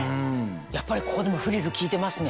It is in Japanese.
やっぱりここでもフリル効いてますね。